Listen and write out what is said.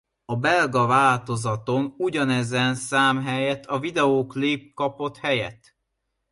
A belga változaton ugyanezen szám helyett a videoklip kapott helyet.